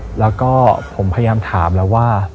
แล้วก็ผมพยายามถามแล้วว่า